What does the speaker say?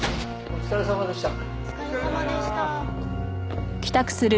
お疲れさまでした。